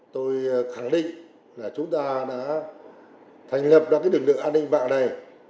tôi khẳng định là chúng ta đã thành lập được lực lượng an ninh mạng này